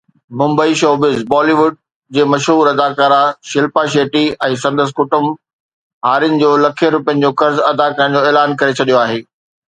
Mumbai (showbiz news) Bollywood جي مشهور اداڪارا شلپا شيٽي ۽ سندس ڪٽنب هارين جو لکين روپين جو قرض ادا ڪرڻ جو اعلان ڪري ڇڏيو آهي.